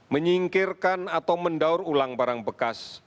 menyingkirkan atau mendaur ulang barang bekas